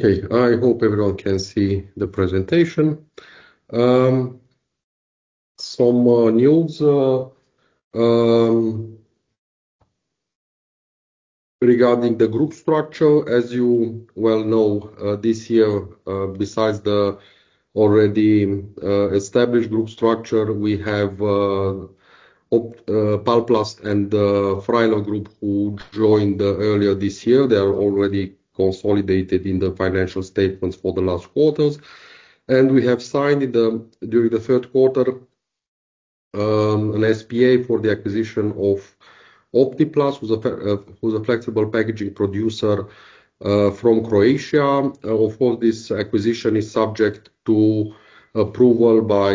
Okay, I hope everyone can see the presentation. Some news regarding the group structure. As you well know, this year, besides the already established group structure, we have Palplast and Freiler Group who joined earlier this year. They are already consolidated in the financial statements for the last quarters. And we have signed during the third quarter an SPA for the acquisition of Optiplast, who's a flexible packaging producer from Croatia. Of course, this acquisition is subject to approval by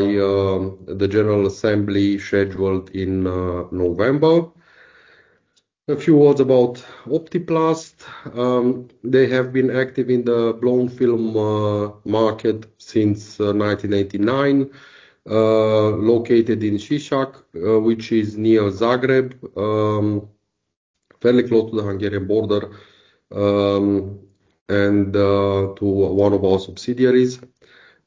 the General Assembly scheduled in November. A few words about Optiplast. They have been active in the blown film market since 1989, located in Sisak, which is near Zagreb, fairly close to the Hungarian border and to one of our subsidiaries.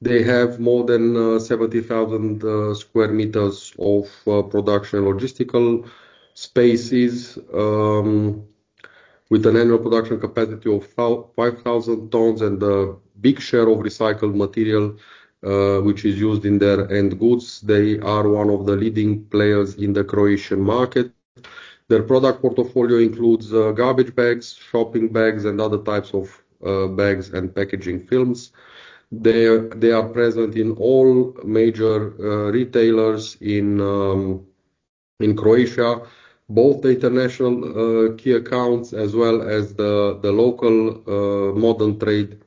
They have more than 70,000 sq m of production logistical spaces with an annual production capacity of 5,000 tonnes and a big share of recycled material which is used in their end goods. They are one of the leading players in the Croatian market. Their product portfolio includes garbage bags, shopping bags, and other types of bags and packaging films. They are present in all major retailers in Croatia, both the international key accounts as well as the local modern trade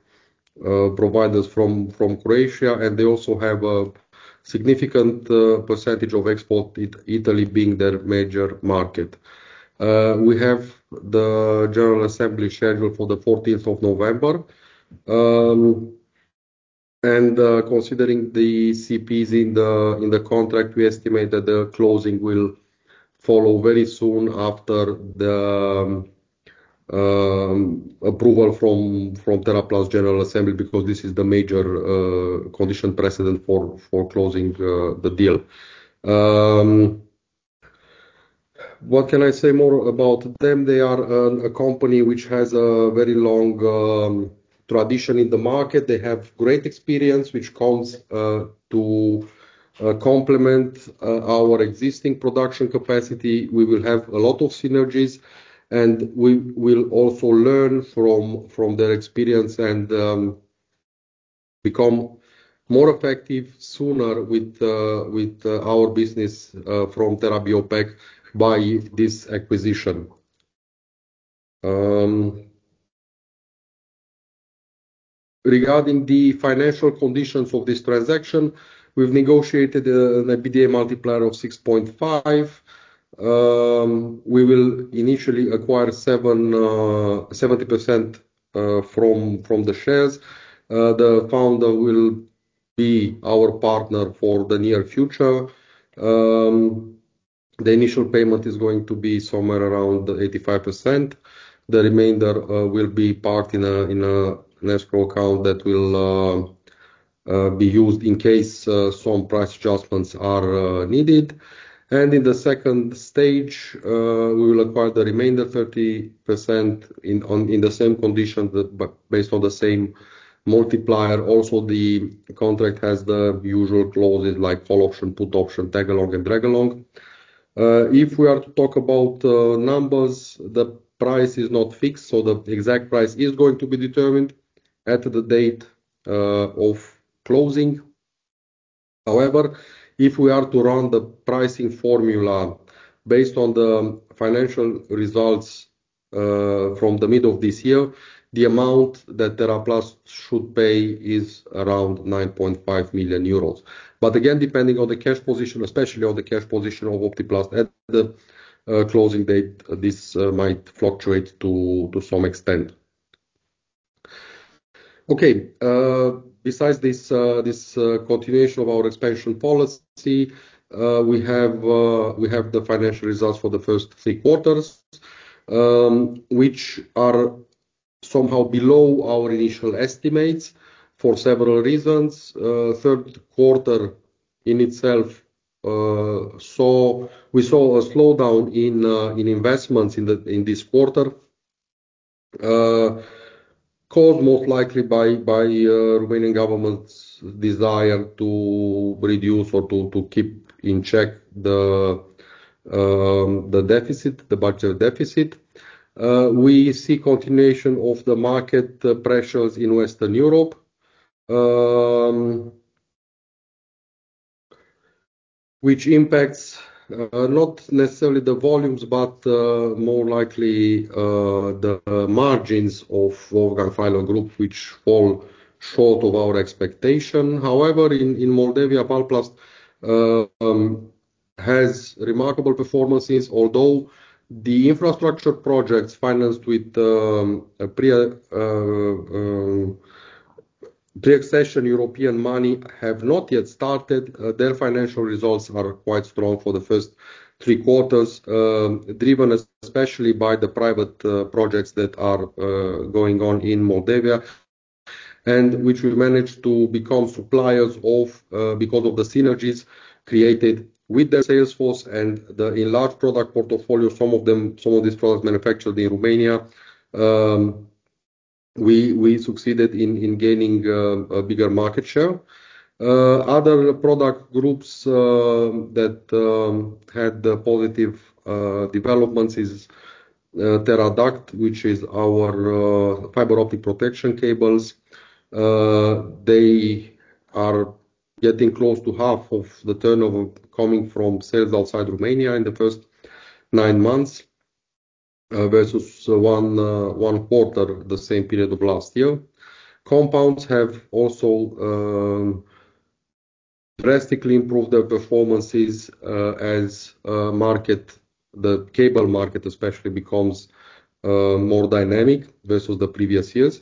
providers from Croatia, and they also have a significant percentage of export, Italy being their major market. We have the General Assembly scheduled for the 14th of November, and considering the CPs in the contract, we estimate that the closing will follow very soon after the approval from TeraPlast General Assembly because this is the major condition precedent for closing the deal. What can I say more about them? They are a company which has a very long tradition in the market. They have great experience which comes to complement our existing production capacity. We will have a lot of synergies, and we will also learn from their experience and become more effective sooner with our business from TeraBio Pack by this acquisition. Regarding the financial conditions of this transaction, we've negotiated an EBITDA multiplier of 6.5. We will initially acquire 70% from the shares. The founder will be our partner for the near future. The initial payment is going to be somewhere around 85%. The remainder will be parked in an escrow account that will be used in case some price adjustments are needed, and in the second stage, we will acquire the remainder 30% in the same condition based on the same multiplier. Also, the contract has the usual clauses like call option, put option, tag along, and drag along. If we are to talk about numbers, the price is not fixed, so the exact price is going to be determined at the date of closing. However, if we are to run the pricing formula based on the financial results from the middle of this year, the amount that TeraPlast should pay is around 9.5 million euros. But again, depending on the cash position, especially on the cash position of Optiplast at the closing date, this might fluctuate to some extent. Okay, besides this continuation of our expansion policy, we have the financial results for the first three quarters, which are somehow below our initial estimates for several reasons. Third quarter in itself, we saw a slowdown in investments in this quarter, caused most likely by the Romanian government's desire to reduce or to keep in check the budget deficit. We see continuation of the market pressures in Western Europe, which impacts not necessarily the volumes, but more likely the margins of Wolfgang Freiler Group, which fall short of our expectation. However, in Moldova, Palplast has remarkable performances, although the infrastructure projects financed with pre-accession European money have not yet started. Their financial results are quite strong for the first three quarters, driven especially by the private projects that are going on in Moldova, and which we managed to become suppliers of because of the synergies created with their sales force and the enlarged product portfolio. Some of these products manufactured in Romania, we succeeded in gaining a bigger market share. Other product groups that had positive developments are TeraDuct, which is our fiber optic protection cables. They are getting close to half of the turnover coming from sales outside Romania in the first nine months versus one quarter the same period of last year. Compounds have also drastically improved their performances as the cable market especially becomes more dynamic versus the previous years.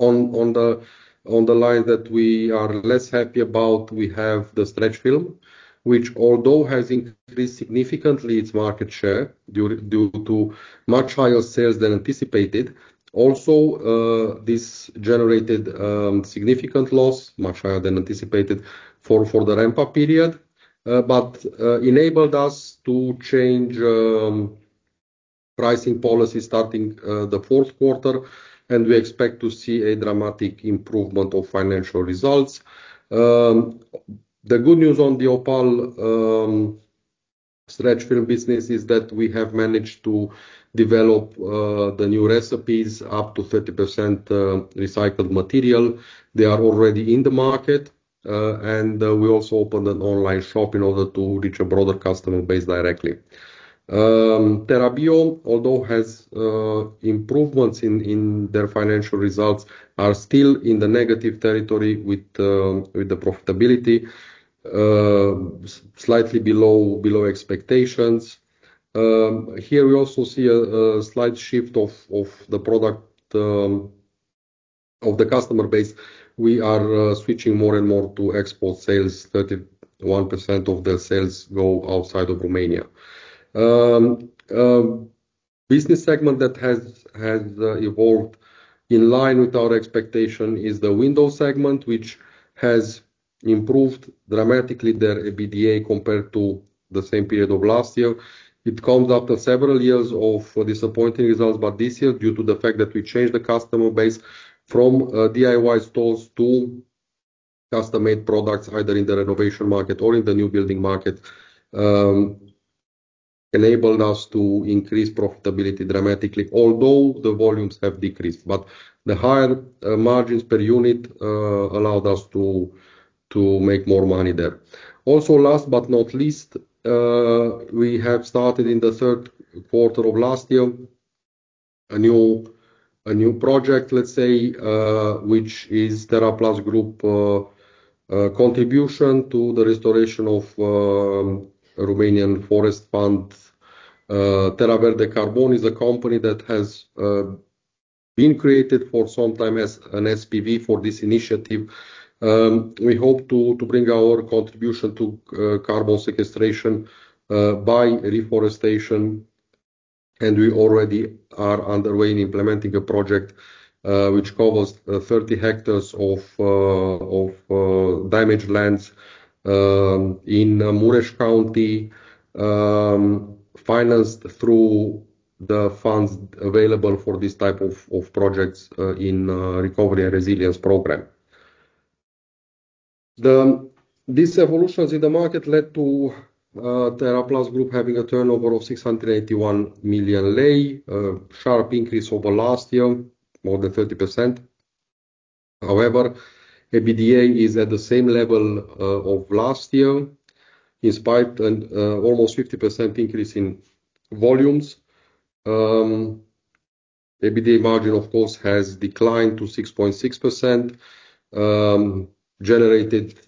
On the line that we are less happy about, we have the stretch film, which although has increased significantly its market share due to much higher sales than anticipated. Also, this generated significant loss, much higher than anticipated for the ramp-up period, but enabled us to change pricing policy starting the fourth quarter, and we expect to see a dramatic improvement of financial results. The good news on the Opal stretch film business is that we have managed to develop the new recipes up to 30% recycled material. They are already in the market, and we also opened an online shop in order to reach a broader customer base directly. TeraBio, although has improvements in their financial results, are still in the negative territory with the profitability, slightly below expectations. Here we also see a slight shift of the customer base. We are switching more and more to export sales. 31% of the sales go outside of Romania. The business segment that has evolved in line with our expectation is the window segment, which has improved dramatically their EBITDA compared to the same period of last year. It comes after several years of disappointing results, but this year, due to the fact that we changed the customer base from DIY stores to custom-made products either in the renovation market or in the new building market, enabled us to increase profitability dramatically, although the volumes have decreased. But the higher margins per unit allowed us to make more money there. Also, last but not least, we have started in the third quarter of last year a new project, let's say, which is TeraPlast Group's contribution to the restoration of the Romanian Forest Fund. Teraverde Carbon is a company that has been created for some time as an SPV for this initiative. We hope to bring our contribution to carbon sequestration by reforestation, and we already are underway in implementing a project which covers 30 hectares of damaged lands in Mureș County, financed through the funds available for this type of projects in the recovery and resilience program. These evolutions in the market led to TeraPlast Group having a turnover of RON 681 million, a sharp increase over last year, more than 30%. However, EBITDA is at the same level of last year, in spite of an almost 50% increase in volumes. EBITDA margin, of course, has declined to 6.6%, generated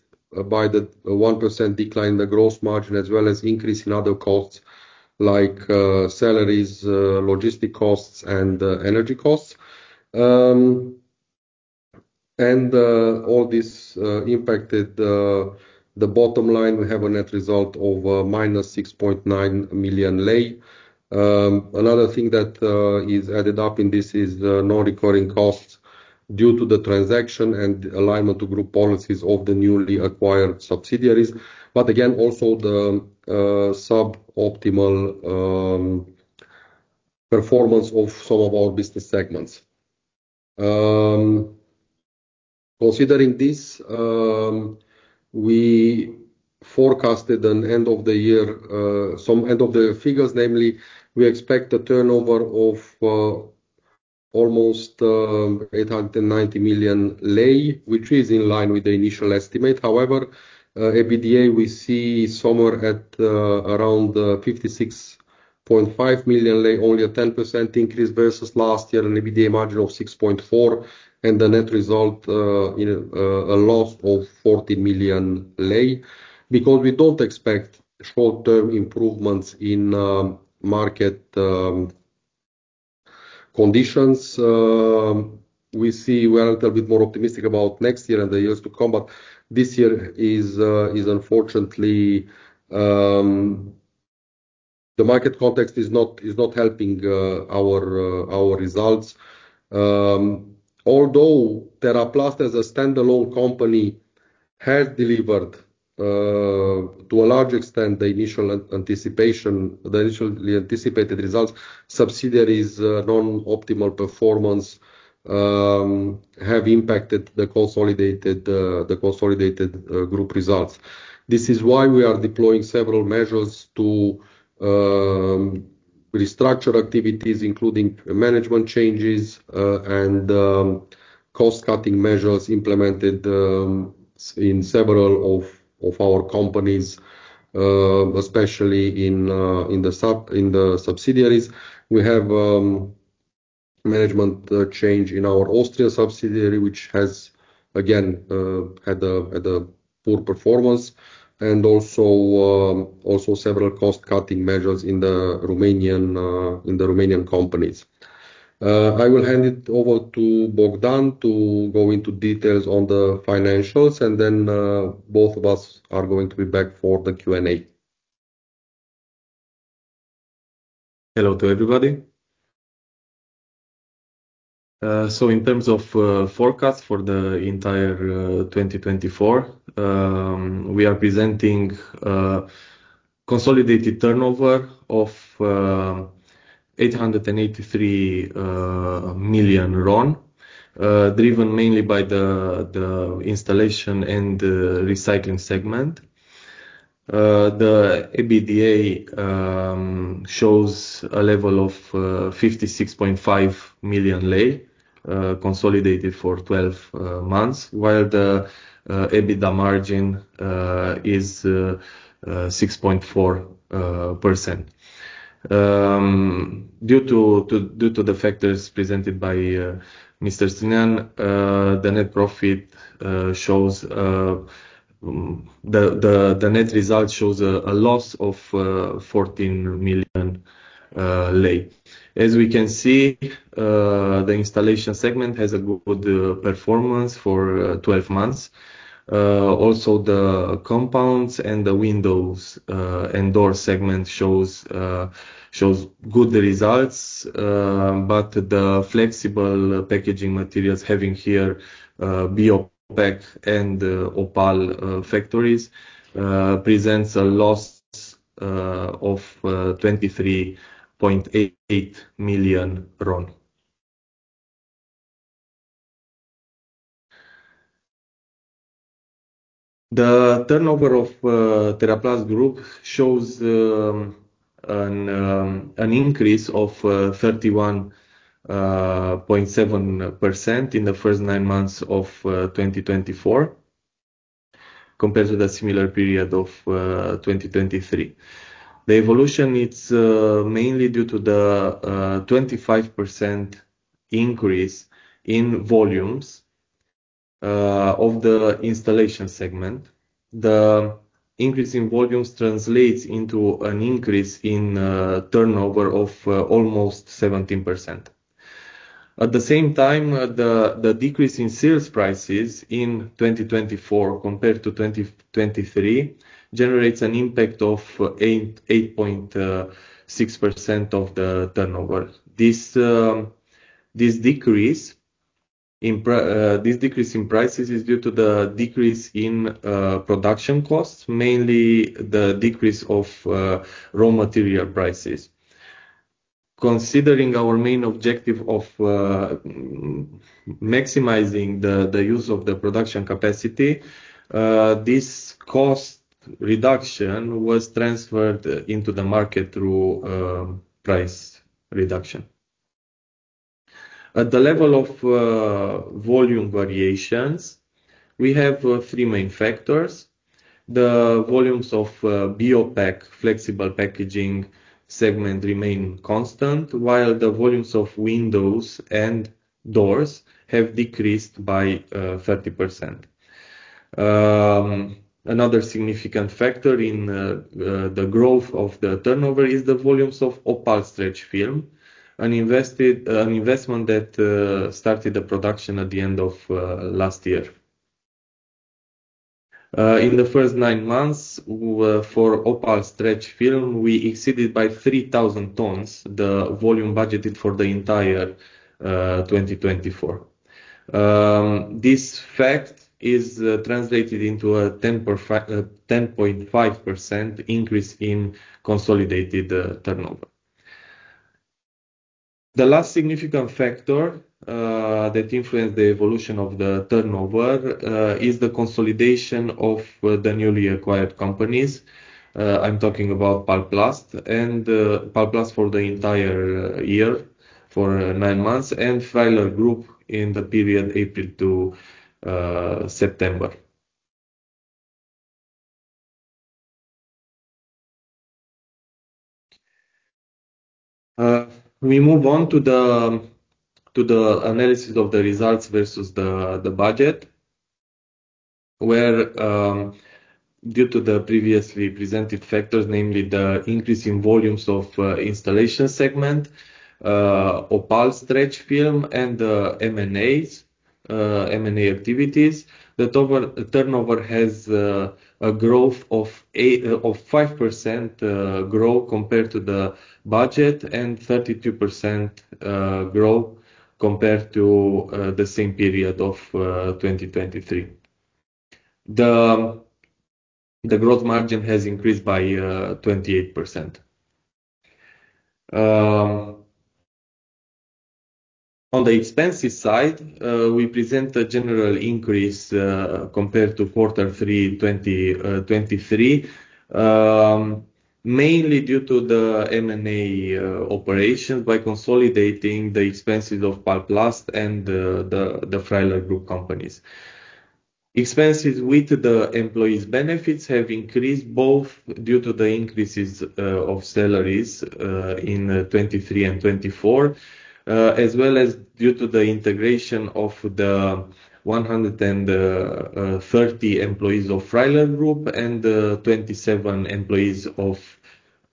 by the 1% decline in the gross margin, as well as an increase in other costs like salaries, logistic costs, and energy costs, and all this impacted the bottom line. We have a net result of minus RON 6.9 million. Another thing that is added up in this is non-recurring costs due to the transaction and alignment to group policies of the newly acquired subsidiaries. But again, also the suboptimal performance of some of our business segments. Considering this, we forecasted an end of the year some end of the figures, namely, we expect a turnover of almost RON 890 million, which is in line with the initial estimate. However, EBITDA we see somewhere at around RON 56.5 million, only a 10% increase versus last year, an EBITDA margin of 6.4%, and the net result a loss of RON 40 million. Because we don't expect short-term improvements in market conditions, we see we are a little bit more optimistic about next year and the years to come. But this year is unfortunately the market context is not helping our results. Although TeraPlast, as a standalone company, has delivered to a large extent the initially anticipated results, subsidiaries' non-optimal performance have impacted the consolidated group results. This is why we are deploying several measures to restructure activities, including management changes and cost-cutting measures implemented in several of our companies, especially in the subsidiaries. We have management change in our Austrian subsidiary, which has, again, had a poor performance, and also several cost-cutting measures in the Romanian companies. I will hand it over to Bogdan to go into details on the financials, and then both of us are going to be back for the Q&A. Hello to everybody. In terms of forecast for the entire 2024, we are presenting a consolidated turnover of 883 million RON, driven mainly by the installation and recycling segment. The EBITDA shows a level of RON 56.5 million consolidated for 12 months, while the EBITDA margin is 6.4%. Due to the factors presented by Mr. Crăciunaș, the net profit shows the net result shows a loss of RON 14 million. As we can see, the installation segment has a good performance for 12 months. Also, the compounds and the windows and door segment shows good results, but the flexible packaging materials having here BioPac and Opal factories presents a loss of RON 23.8 million. The turnover of TeraPlast Group shows an increase of 31.7% in the first nine months of 2024 compared to the similar period of 2023. The evolution is mainly due to the 25% increase in volumes of the installation segment. The increase in volumes translates into an increase in turnover of almost 17%. At the same time, the decrease in sales prices in 2024 compared to 2023 generates an impact of 8.6% of the turnover. This decrease in prices is due to the decrease in production costs, mainly the decrease of raw material prices. Considering our main objective of maximizing the use of the production capacity, this cost reduction was transferred into the market through price reduction. At the level of volume variations, we have three main factors. The volumes of BioPac flexible packaging segment remain constant, while the volumes of windows and doors have decreased by 30%. Another significant factor in the growth of the turnover is the volumes of Opal stretch film, an investment that started the production at the end of last year. In the first nine months for Opal stretch film, we exceeded by 3,000 tons the volume budgeted for the entire 2024. This fact is translated into a 10.5% increase in consolidated turnover. The last significant factor that influenced the evolution of the turnover is the consolidation of the newly acquired companies. I'm talking about Optiplast and Palplast for the entire year, for nine months, and Freiler Group in the period April to September. We move on to the analysis of the results versus the budget, where due to the previously presented factors, namely the increase in volumes of installation segment, Opal stretch film, and the M&A activities, the turnover has a growth of 5% compared to the budget and 32% growth compared to the same period of 2023. The gross margin has increased by 28%. On the expenses side, we present a general increase compared to quarter three 2023, mainly due to the M&A operations by consolidating the expenses of Palplast and the Freiler Group companies. Expenses with the employees' benefits have increased both due to the increases of salaries in 2023 and 2024, as well as due to the integration of the 130 employees of Freiler Group and 27 employees of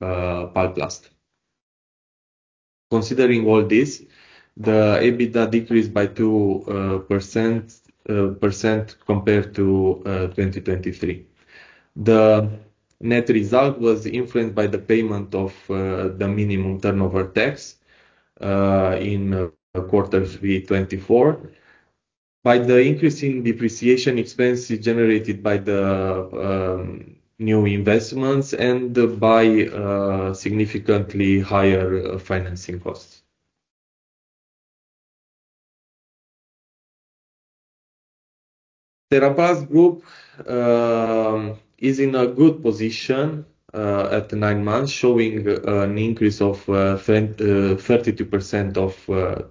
Palplast. Considering all this, the EBITDA decreased by 2% compared to 2023. The net result was influenced by the payment of the minimum turnover tax in quarter three 2024, by the increasing depreciation expenses generated by the new investments and by significantly higher financing costs. TeraPlast Group is in a good position at nine months, showing an increase of 32% of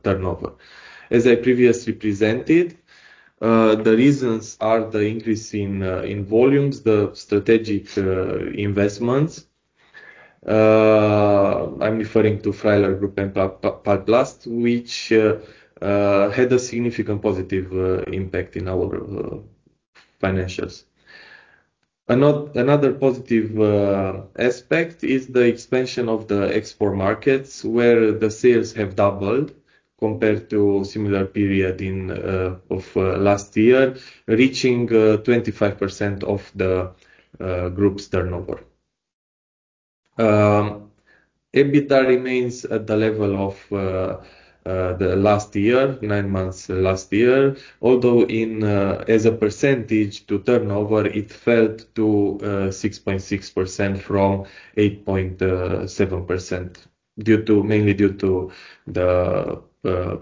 turnover. As I previously presented, the reasons are the increase in volumes, the strategic investments. I'm referring to Freiler Group and Palplast, which had a significant positive impact in our financials. Another positive aspect is the expansion of the export markets, where the sales have doubled compared to a similar period of last year, reaching 25% of the group's turnover. EBITDA remains at the level of the last year, nine months last year, although as a percentage to turnover, it fell to 6.6% from 8.7%, mainly due to the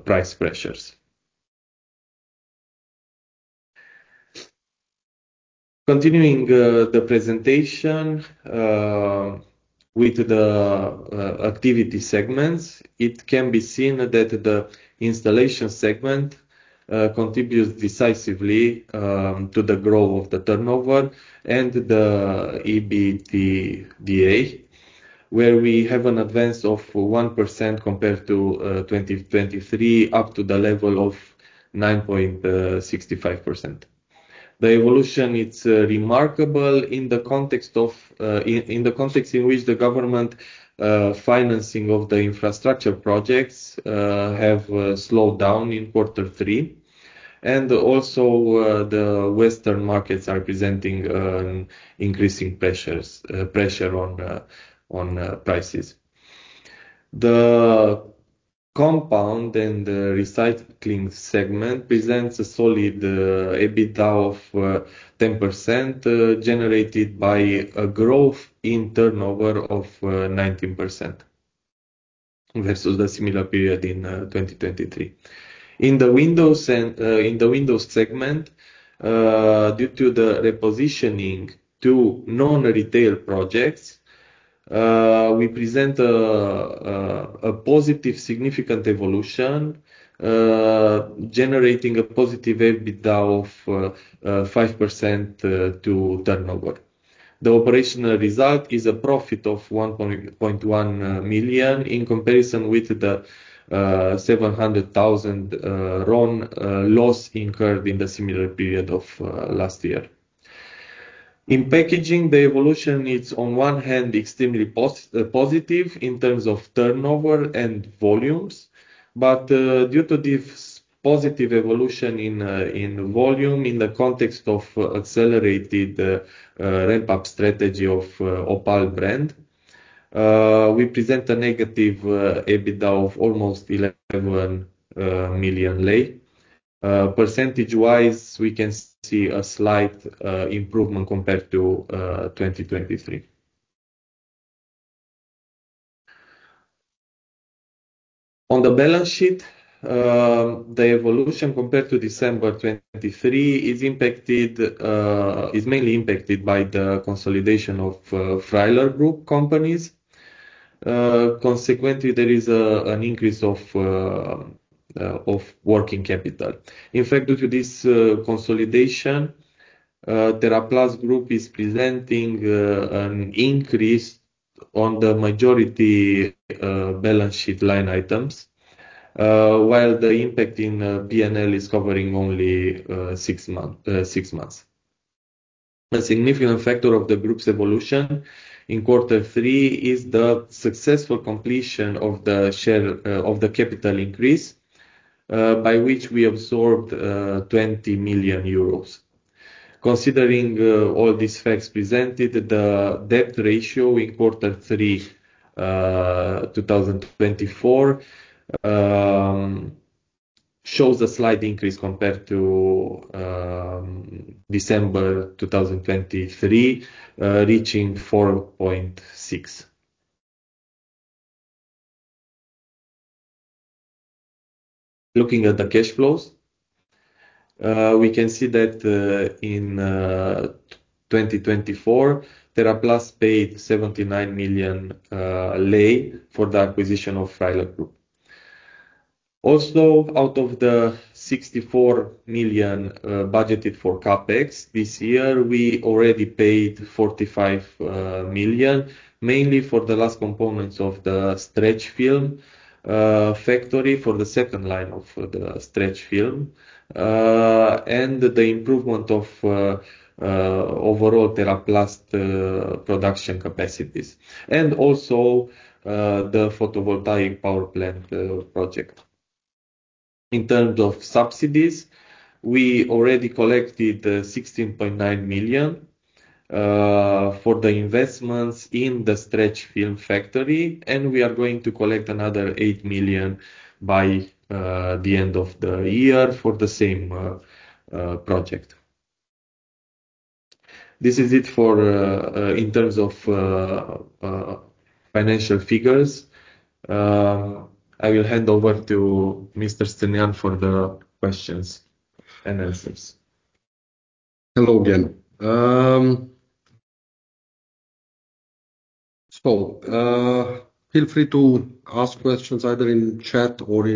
price pressures. Continuing the presentation with the activity segments, it can be seen that the installation segment contributes decisively to the growth of the turnover and the EBITDA, where we have an advance of 1% compared to 2023, up to the level of 9.65%. The evolution is remarkable in the context in which the government financing of the infrastructure projects has slowed down in quarter three, and also, the Western markets are presenting increasing pressures on prices. The compound and recycling segment presents a solid EBITDA of 10% generated by a growth in turnover of 19% versus the similar period in 2023. In the windows segment, due to the repositioning to non-retail projects, we present a positive significant evolution, generating a positive EBITDA of 5% to turnover. The operational result is a profit of RON 1.1 million in comparison with the RON 700,000 loss incurred in the similar period of last year. In packaging, the evolution is, on one hand, extremely positive in terms of turnover and volumes, but due to this positive evolution in volume in the context of accelerated ramp-up strategy of Opal brand, we present a negative EBITDA of almost RON 11 million. Percentage-wise, we can see a slight improvement compared to 2023. On the balance sheet, the evolution compared to December 2023 is mainly impacted by the consolidation of Freiler Group companies. Consequently, there is an increase of working capital. In fact, due to this consolidation, TeraPlast Group is presenting an increase on the majority balance sheet line items, while the impact in P&L is covering only six months. A significant factor of the group's evolution in quarter three is the successful completion of the capital increase, by which we absorbed 20 million euros. Considering all these facts presented, the debt ratio in quarter three 2024 shows a slight increase compared to December 2023, reaching 4.6. Looking at the cash flows, we can see that in 2024, TeraPlast paid RON 79 million for the acquisition of Freiler Group. Also, out of the RON 64 million budgeted for CapEx this year, we already paid RON 45 million, mainly for the last components of the stretch film factory, for the second line of the stretch film, and the improvement of overall TeraPlast production capacities, and also the photovoltaic power plant project. In terms of subsidies, we already collected RON 16.9 million for the investments in the stretch film factory, and we are going to collect another RON 8 million by the end of the year for the same project. This is it in terms of financial figures. I will hand over to Mr. Crăciunaș for the questions and answers. Hello again. So feel free to ask questions either in chat or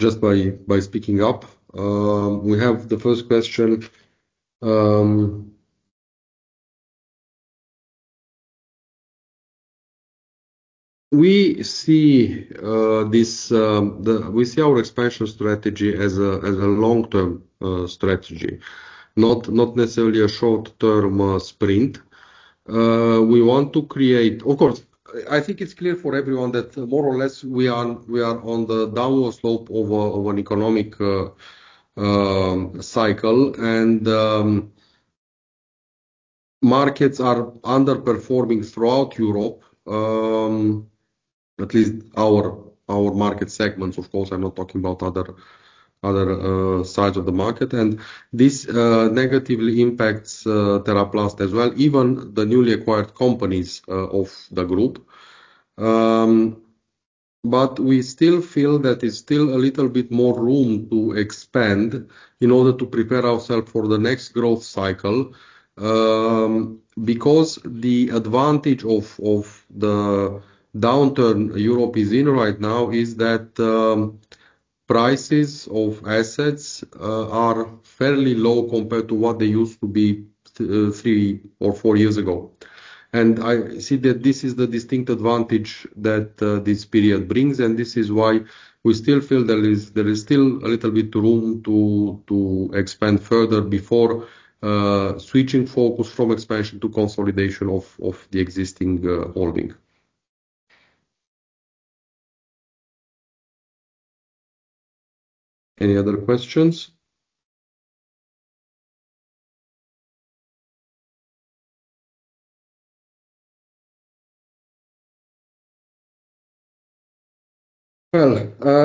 just by speaking up. We have the first question. We see our expansion strategy as a long-term strategy, not necessarily a short-term sprint. We want to create, of course, I think it's clear for everyone that more or less we are on the downward slope of an economic cycle, and markets are underperforming throughout Europe, at least our market segments, of course. I'm not talking about other sides of the market. And this negatively impacts TeraPlast as well, even the newly acquired companies of the group. But we still feel that there's still a little bit more room to expand in order to prepare ourselves for the next growth cycle because the advantage of the downturn Europe is in right now is that prices of assets are fairly low compared to what they used to be three or four years ago. And I see that this is the distinct advantage that this period brings, and this is why we still feel there is still a little bit room to expand further before switching focus from expansion to consolidation of the existing holding. Any other questions? Well,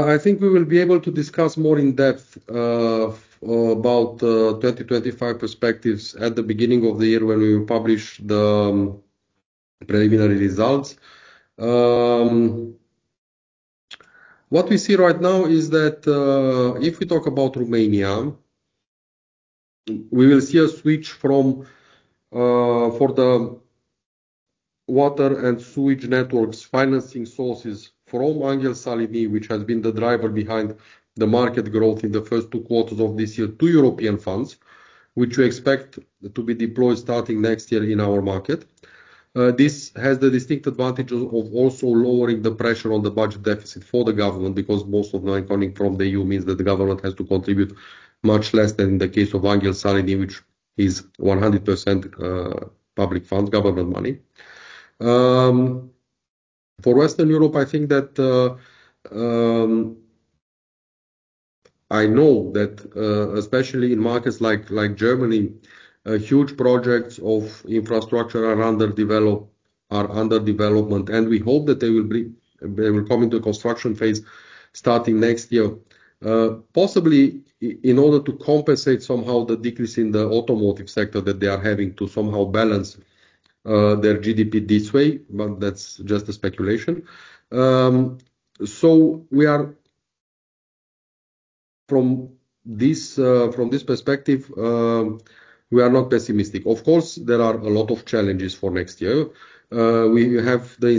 I think we will be able to discuss more in depth about 2025 perspectives at the beginning of the year when we publish the preliminary results. What we see right now is that if we talk about Romania, we will see a switch from water and sewage networks financing sources from Anghel Saligny, which has been the driver behind the market growth in the first two quarters of this year, to European funds, which we expect to be deployed starting next year in our market. This has the distinct advantage of also lowering the pressure on the budget deficit for the government because most of the money coming from the EU means that the government has to contribute much less than in the case of Anghel Saligny, which is 100% public funds, government money. For Western Europe, I think that I know that especially in markets like Germany, huge projects of infrastructure are under development, and we hope that they will come into a construction phase starting next year, possibly in order to compensate somehow the decrease in the automotive sector that they are having to somehow balance their GDP this way, but that's just a speculation. So from this perspective, we are not pessimistic. Of course, there are a lot of challenges for next year. We have the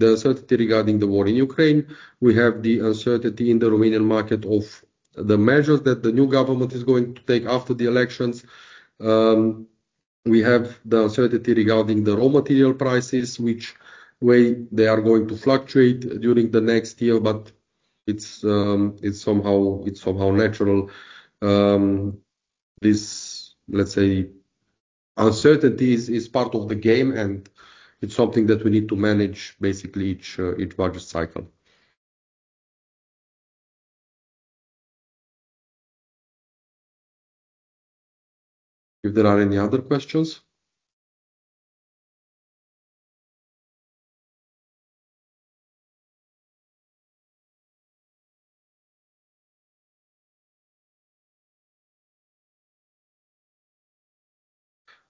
uncertainty regarding the war in Ukraine. We have the uncertainty in the Romanian market of the measures that the new government is going to take after the elections. We have the uncertainty regarding the raw material prices, which way they are going to fluctuate during the next year, but it's somehow natural. This, let's say, uncertainty is part of the game, and it's something that we need to manage basically each budget cycle. If there are any other questions?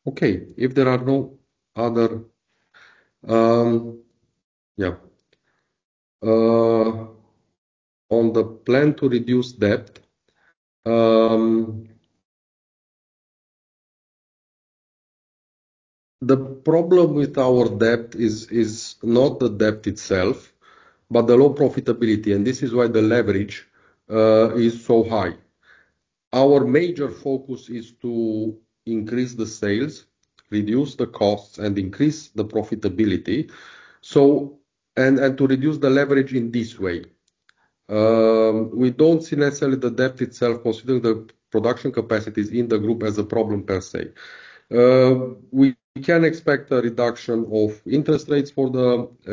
Okay. If there are no other, yeah. On the plan to reduce debt, the problem with our debt is not the debt itself, but the low profitability, and this is why the leverage is so high. Our major focus is to increase the sales, reduce the costs, and increase the profitability, and to reduce the leverage in this way. We don't see necessarily the debt itself, considering the production capacities in the group as a problem per se. We can expect a reduction of interest rates for the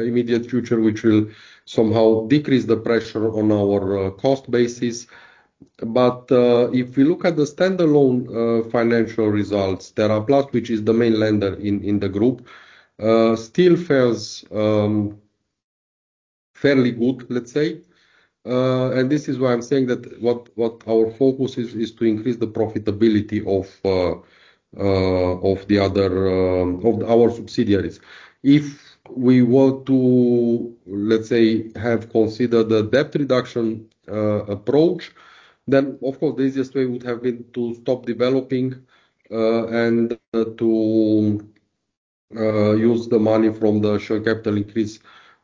immediate future, which will somehow decrease the pressure on our cost basis. But if we look at the standalone financial results, TeraPlast, which is the main leader in the group, still fares fairly good, let's say. And this is why I'm saying that what our focus is to increase the profitability of the other of our subsidiaries. If we were to, let's say, have considered the debt reduction approach, then, of course, the easiest way would have been to stop developing and to use the money from the share capital increase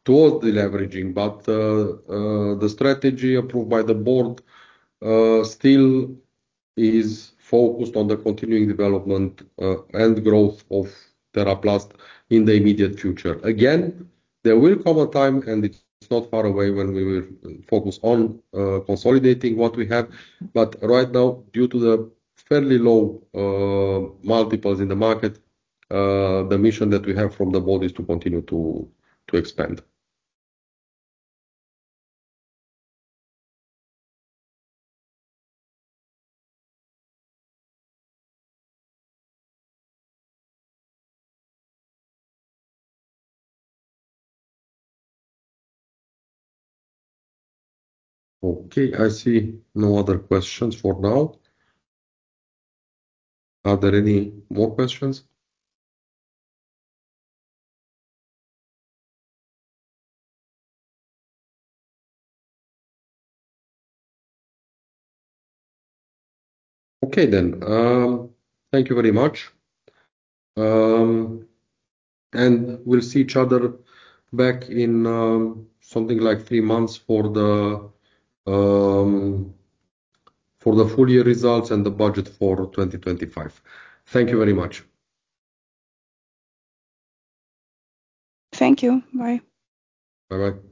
towards the leveraging. But the strategy approved by the board still is focused on the continuing development and growth of TeraPlast in the immediate future. Again, there will come a time, and it's not far away, when we will focus on consolidating what we have. But right now, due to the fairly low multiples in the market, the mission that we have from the board is to continue to expand. Okay. I see no other questions for now. Are there any more questions? Okay then. Thank you very much. And we'll see each other back in something like three months for the full year results and the budget for 2025. Thank you very much. Thank you. Bye. Bye-bye.